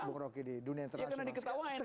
bukroki di dunia internasional